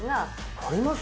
あります？